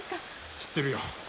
知ってるよ。